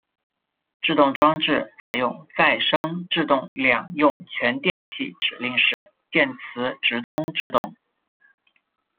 制动装置采用再生制动两用全电气指令式电磁直通制动。